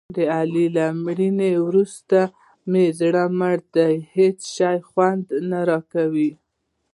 د علي له مړینې ورسته مې زړه مړ دی. هېڅ شی خوند نه راکوي.